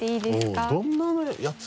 うんどんなやつ？